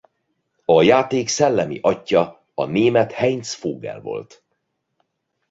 A játék szellemi atyja a német Heinz Vogel volt.